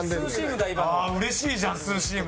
ああーうれしいじゃん「スーシーム」。